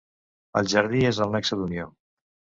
El jardí és el nexe d'unió.